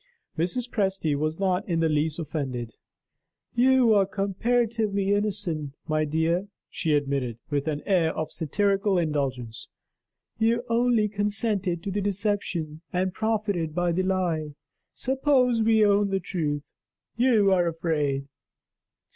Mrs. Presty was not in the least offended. "You are comparatively innocent, my dear," she admitted, with an air of satirical indulgence. "You only consented to the deception, and profited by the lie. Suppose we own the truth? You are afraid."